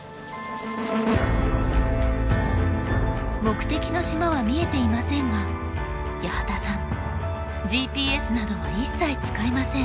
目的の島は見えていませんが八幡さんＧＰＳなどは一切使いません。